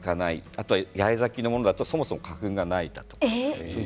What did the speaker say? あと八重咲きのものならそもそも花粉がないものとか。